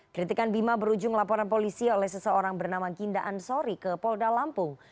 kritikan bima berujung laporan polisi oleh seseorang bernama ginda ansori ke polda lampung